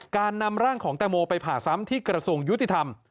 การนำร่างของแตงโมไปผ่าซ้ำที่กระทรวงยุติธรรม